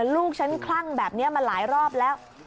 ลูกฉันคลั่งแบบนี้มาหลายรอบแล้ว